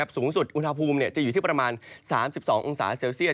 สูงสุดอุณหภูมิจะอยู่ที่ประมาณ๓๒องศาเซลเซียต